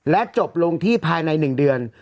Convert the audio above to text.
จบลงที่ภายใน๑เดือน